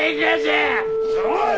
おい！